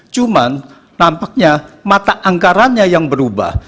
cuman nampaknya mata anggarannya yang berubah